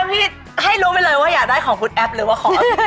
พี่ให้รู้ไปเลยว่าอยากได้ของคุณแอปหรือว่าของ